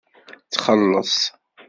Txelleṣ.